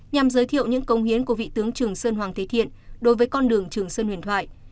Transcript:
nhằm giới thiệu những công hiến của vị tướng trường sơn hoàng thế thiện đối với con đường trường sơn huyền thoại